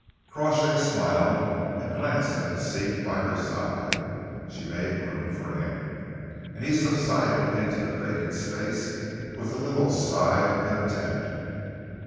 Crawshay smiled and glanced at the seat by her side. She made room for him, and he subsided into the vacant space with a little sigh of content.